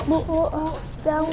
bu bu bangun